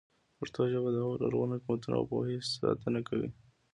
پښتو ژبه د هغو لرغونو حکمتونو او پوهې ساتنه کوي.